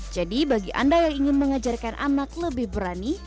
jadi bagi anda yang ingin mengajarkan anak lebih berani